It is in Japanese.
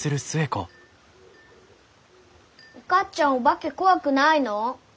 お母ちゃんお化け怖くないの？